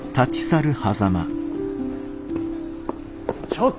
ちょっと！